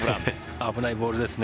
危ないボールですね。